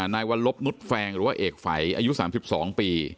นายวัลลบนุษย์แฟงหรือว่าเอกฝัยอายุ๓๒ปี